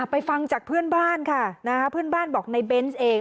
ฟังจากเพื่อนบ้านค่ะเพื่อนบ้านบอกในเบนส์เอง